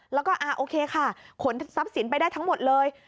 แล้วก็โอเคค่ะขนทรัพย์สินไปได้ทั้งหมดเลย